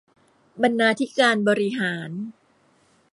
บรรณาธิการบริหาร